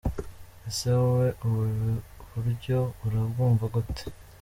Ese wowe ubu buryo urabwumva gute? .